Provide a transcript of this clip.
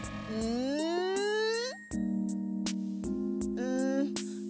うん。